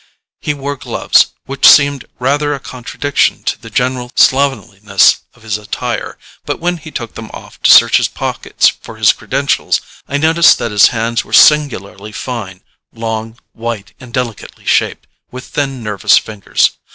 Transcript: He wore gloves, which seemed rather a contradiction to the general slovenliness of his attire, but when he took them off to search his pockets for his credentials, I noticed that his hands were singularly fine; long, white, and delicately shaped, with thin, nervous fingers.